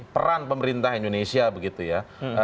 peran pemerintah indonesia begitu ya